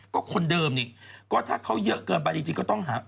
ก็คนเดิมนี่ก็ถ้าเขาเยอะเกินไปจริงก็ต้องหา